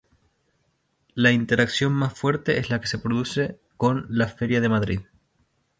La interacción más fuerte es la que se produce con "La feria de Madrid".